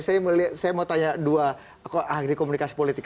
saya mau tanya dua hal di komunikasi politik